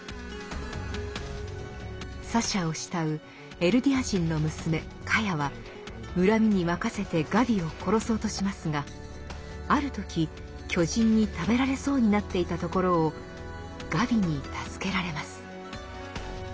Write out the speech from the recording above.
サシャを慕うエルディア人の娘カヤは恨みに任せてガビを殺そうとしますがある時巨人に食べられそうになっていたところをガビに助けられます。